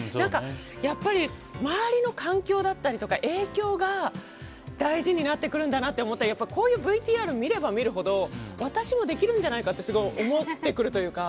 やっぱり周りの環境だったりとか影響が大事になってくるんだなって思うとこういうＶＴＲを見れば見るほど私もできるんじゃないかって思ってくるというか。